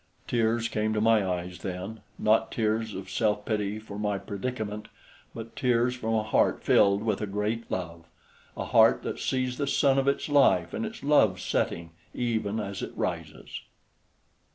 Tears came to my eyes then, not tears of self pity for my predicament, but tears from a heart filled with a great love a heart that sees the sun of its life and its love setting even as it rises.